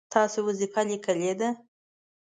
تاسو وظیفه لیکلې ده؟